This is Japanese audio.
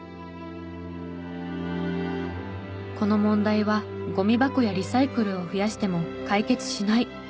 この問題はごみ箱やリサイクルを増やしても解決しない。